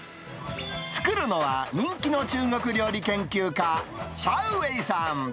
作るのは、人気の中国料理研究家、シャウ・ウェイさん。